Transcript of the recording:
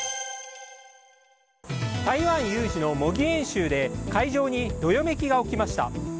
台湾有事の模擬演習で会場にどよめきが起きました。